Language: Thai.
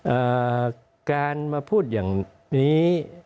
อ่าการมาพูดอย่างนี้